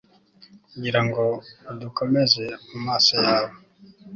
kugira ngo udukomeze mu maso yawe